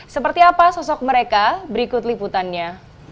seperti apa sosok mereka berikut liputannya